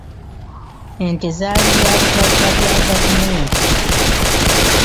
Ente zaali bya bugagga bya gavumenti.